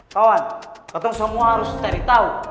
kawan katanya semua harus cari tau